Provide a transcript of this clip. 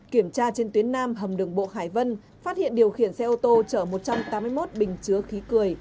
kiểm tra trên tuyến nam hầm đường bộ hải vân phát hiện điều khiển xe ô tô chở một trăm tám mươi một bình chứa khí cười